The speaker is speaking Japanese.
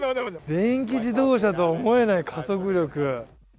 電気自動車とは思えない加速力。